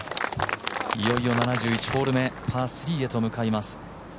いよいよ７１ホール目パー３へと回ります。